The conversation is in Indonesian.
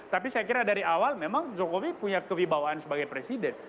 tapi saya kira dari awal memang jokowi punya kewibawaan sebagai presiden